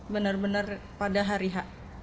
benar benar pada hari h